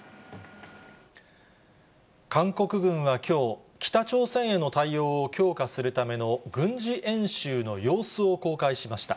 韓国軍はきょう、北朝鮮への対応を強化するための軍事演習の様子を公開しました。